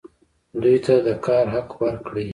دوی ته د کار حق ورکړئ